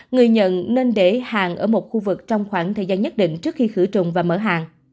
người nhận nên để hàng ở một khu vực trong khoảng thời gian nhất định trước khi khử trùng và mở hàng